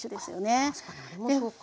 あ確かにあれもそうか。